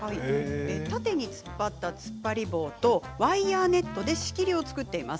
縦に突っ張ったつっぱり棒とワイヤーネットで仕切りを作っています。